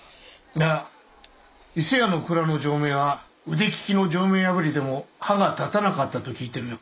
いや伊勢屋の蔵の錠前は腕利きの錠前破りでも歯が立たなかったと聞いてるよ。